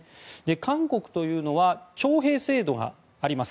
韓国というのは徴兵制度があります。